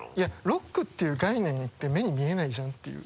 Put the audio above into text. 「ロック」っていう概念って目に見えないじゃんっていう。